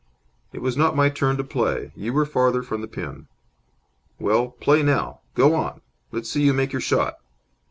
"It was not my turn to play. You were farther from the pin." "Well, play now. Go on! Let's see you make your shot."